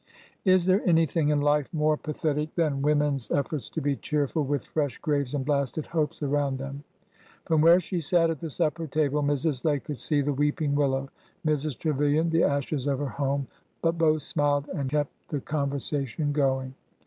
Is there anything in life more pathetic than women's ef forts to be cheerful with fresh graves and blasted hopes around them? From where she sat at the supper table, Mrs. Lay could see the weeping willow,— Mrs. Trevilian, the ashes of her home,— but both smiled and kept the con versation going.